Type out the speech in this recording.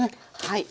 はい。